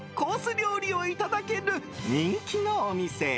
料理をいただける人気のお店。